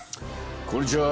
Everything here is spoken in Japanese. こんにちは！